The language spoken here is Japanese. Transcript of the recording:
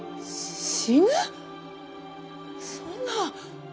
そんな。